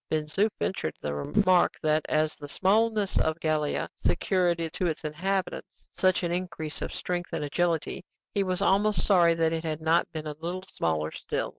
Ben Zoof ventured the remark that, as the smallness of Gallia secured to its inhabitants such an increase of strength and agility, he was almost sorry that it had not been a little smaller still.